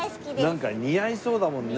なんか似合いそうだもんね。